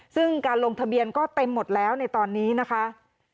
ซึ่งการลงทะเบียนก็เต็มหมดแล้วในตอนนี้นะคะ